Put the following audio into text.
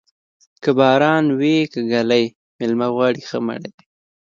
که باران وې که ږلۍ، مېلمه غواړي ښه مړۍ.